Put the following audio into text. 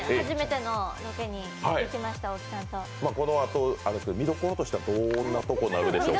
このあと見どころとしてはどんなところになるでしょうか？